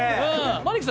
マリックさん